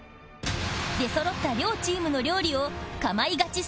出そろった両チームの料理を『かまいガチ』